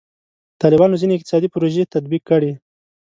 طالبانو ځینې اقتصادي پروژې تطبیق کړي.